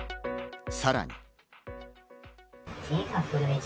さらに。